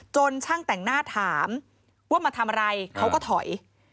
ช่างแต่งหน้าถามว่ามาทำอะไรเขาก็ถอย